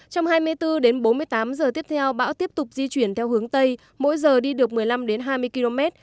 trong hai mươi bốn đến bốn mươi tám giờ tiếp theo bão tiếp tục di chuyển theo hướng tây mỗi giờ đi được một mươi năm hai mươi km